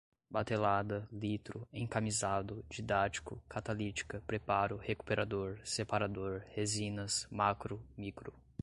batelada, litro, encamisado, didático, catalítica, preparo, recuperador, separador, resinas, macro, micro